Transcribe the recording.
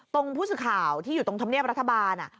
ผู้สื่อข่าวที่อยู่ตรงธรรมเนียบรัฐบาล